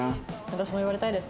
私も言われたいです